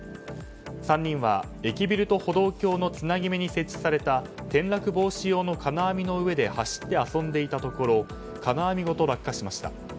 ３人は駅ビルと歩道橋のつなぎ目に設置された転落防止用の金網の上で走って遊んでいたところ金網ごと落下しました。